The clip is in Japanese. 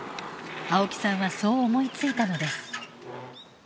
青木さんはそう思いついたのです。